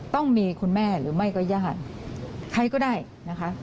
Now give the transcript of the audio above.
ต้องมีคุณแม่หรือไม่ก็ญาติใครก็ได้นะคะ